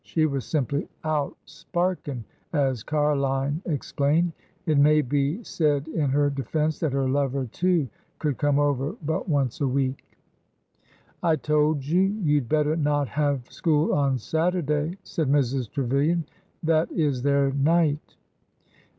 She was simply out '' sparkin'," as Ca'line explained. It may be said in her defense that her lover, too, could come over but once a week. I told you you 'd better not have school on Saturday," said Mrs. Trevilian. That is their night."